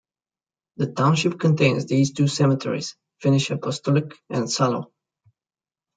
The township contains these two cemeteries: Finnish Apostolic and Salo.